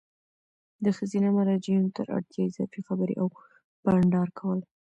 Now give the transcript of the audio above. د ښځینه مراجعینو تر اړتیا اضافي خبري او بانډار کول